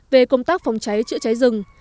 về công tác phòng cháy chữa cháy rừng